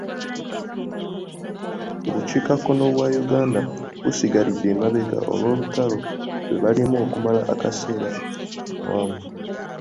Obukiikakkono bwa Uganda busigalidde emabega olw'olutalo lwe bwalimu okumala akaseera akawanvu.